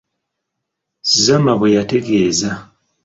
Zama bwe yategeeza.